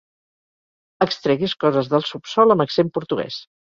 Extreguis coses del subsòl amb accent portuguès.